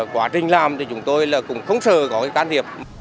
quá trình làm thì chúng tôi là cũng không sợ có cái can thiệp